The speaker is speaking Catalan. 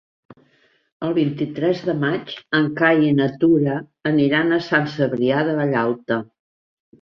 El vint-i-tres de maig en Cai i na Tura aniran a Sant Cebrià de Vallalta.